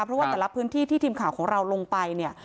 เพราะว่าแต่ละพื้นที่ที่ทีมข่าวของเราลงไปเนี่ย